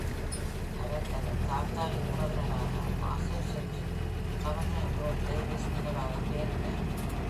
அவர் தனது தாத்தாவின் உறவினரான மாசசூசெட்சின் கவர்னர் ஜான் டேவிஸ் நினைவாக பெயரிடப்பட்டார்.